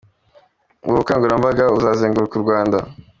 Ubu bukangurambaga buzazenguruka u Rwanda.